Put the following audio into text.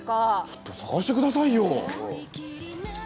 ちょっと探してくださいよ。